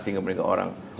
sehingga mereka orang